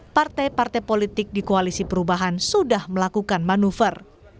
partai partai politik di koalisi perubahan sudah melakukan manuver